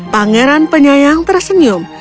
pangeran penyayang tersenyum